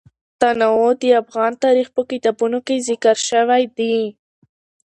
تنوع د افغان تاریخ په کتابونو کې ذکر شوی دي.